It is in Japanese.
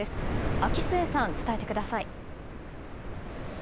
秋末さん、伝えてください。